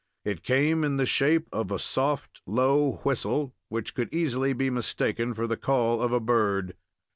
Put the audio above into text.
It came in the shape of a soft low whistle, which could easily be mistaken for the call of a bird.